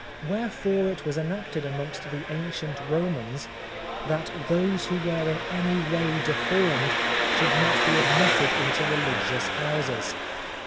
Wherefore it was enacted among the ancient Romans that those who were in any way deformed, should not be admitted into religious houses.